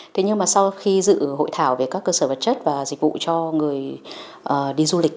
thế nhưng mà sau khi dự hội thảo về các cơ sở vật chất và dịch vụ cho người đi du lịch